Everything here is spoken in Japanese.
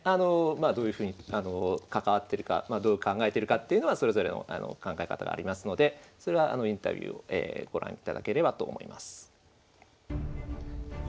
どういうふうに関わってるかどう考えてるかっていうのはそれぞれの考え方がありますのでそれはインタビューをご覧いただければと思います。